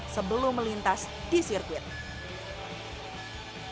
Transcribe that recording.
sebelum melintas di sirkuitnya